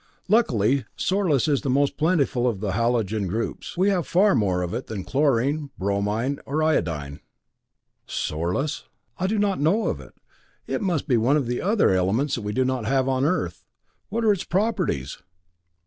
Luckily sorlus is the most plentiful of the halogen groups; we have far more of it than of chlorine, bromine or iodine." "Sorlus? I do not know of it it must be one of the other elements that we do not have on Earth. What are its properties?"